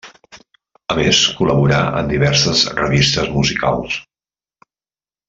A més col·laborà en diverses revistes musicals.